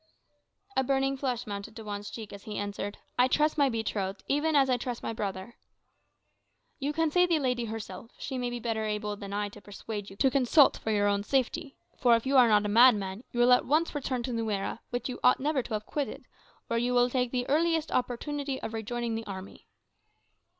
A burning flush mounted to Juan's cheek as he answered, "I trust my betrothed; even as I trust my brother." "You can see the lady herself. She may be better able than I to persuade you to consult for your own safety. For if you are not a madman, you will return at once to Nuera, which you ought never to have quitted; or you will take the earliest opportunity of rejoining the army."